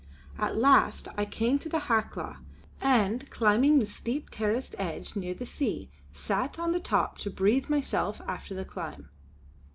At last I came to the Hawklaw, and, climbing the steep terraced edge near the sea, sat on the top to breathe myself after the climb.